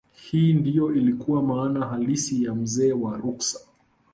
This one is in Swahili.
hiyo ndiyo ilikuwa maana halisi ya mzee wa ruksa